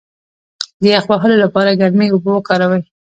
د یخ وهلو لپاره ګرمې اوبه وکاروئ